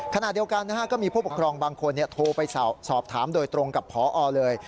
ขณะเดียวกันก็มีผู้ปกครองบางคนโทรไปสอบถามโดยตรงกับพอเลย